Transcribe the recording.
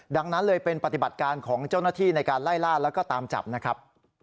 ดังนั้นเลยเป็นปฏิบัติการของเจ้าหน้าที่ในการไล่ล่าแล้วก็ตามจับนะครับ